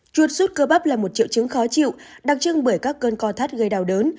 chuột sút cơ bắp là một triệu chứng khó chịu đặc trưng bởi các cơn co thắt gây đào đớn